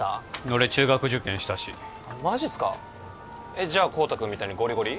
俺中学受験したしマジっすかえっじゃ孝多君みたいにゴリゴリ？